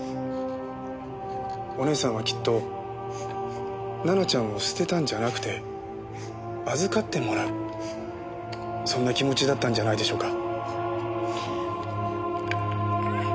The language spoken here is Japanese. お姉さんはきっと奈々ちゃんを捨てたんじゃなくて預かってもらうそんな気持ちだったんじゃないでしょうか。